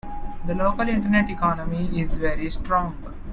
The local internet economy is very strong.